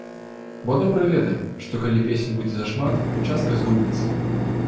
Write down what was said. Бо добра ведаем, што калі песень будзе зашмат, частка згубіцца.